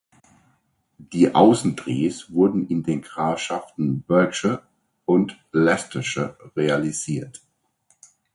Die Außendrehs wurden in den Grafschaften Berkshire und Leicestershire realisiert.